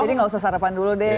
jadi gak usah sarapan dulu deh